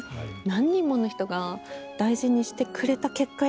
何人もの人が大事にしてくれた結果